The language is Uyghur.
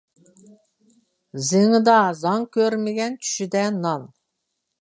زېڭىدا زاڭ كۆرمىگەن، چۈشىدە نان.